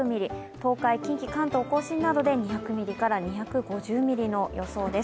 東海、近畿・関東甲信などで２００２５０ミリの予想です。